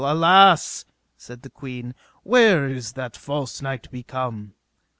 Alas, said the queen, where is that false knight become?